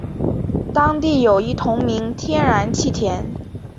当地有一同名天然气田。